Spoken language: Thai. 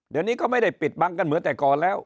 เดี๋ยวนี้ก็ไม่ได้ปิดบังกันเหมือนแต่ก่อนแล้ว